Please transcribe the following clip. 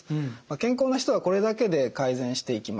健康な人はこれだけで改善していきます。